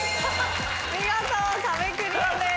見事壁クリアです。